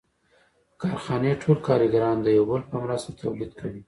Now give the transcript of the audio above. د کارخانې ټول کارګران د یو بل په مرسته تولید کوي